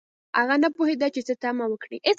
هغه نه پوهیده چې څه تمه وکړي